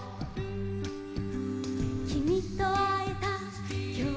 「きみとあえたきょうもあえた」